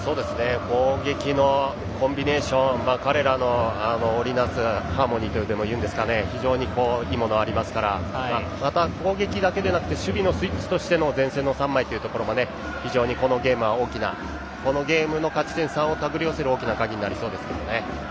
攻撃のコンビネーション彼らの織り成すハーモニーというものはいいものがありますから攻撃だけではなくて守備のスイッチとしての前線の３枚は、このゲームでも大きな、勝ち点３を手繰り寄せるカギになりそうですね。